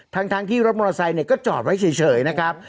ทั้งที่รถมอเตอร์ไซค์ก็จอดไว้เฉยนะครับ